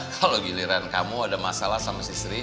kalo giliran kamu ada masalah sama si sri